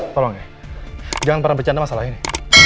tolong ya jangan pernah bercanda masalah ini